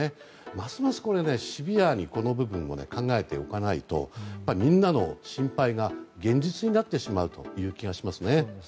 ますますシビアに、この部分を考えておかないとみんなの心配が現実になってしまう気がしますね。